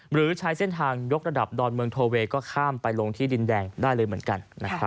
หรือใช้เส้นทางยกระดับดอนเมืองโทเวย์ก็ข้ามไปลงที่ดินแดงได้เลยเหมือนกัน